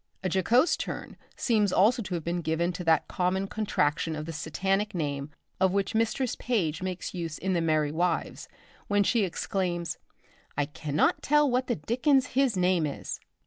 A jocose turn seems also to have been given to that common contraction of the Satanic name of which Mistress Page makes use in the 'Merry Wives' when she exclaims, "I cannot tell what the dickens his name is!"